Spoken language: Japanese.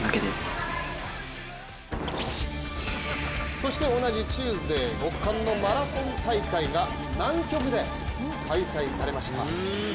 そして同じチューズデー、極寒のマラソン大会が南極で開催されました。